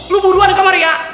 lo buruan kemarin ya